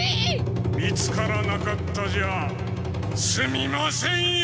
見つからなかったじゃすみませんよ！